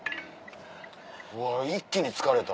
うわ一気に疲れた。